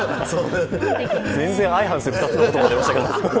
全然相反する２つの言葉が出ましたけれども。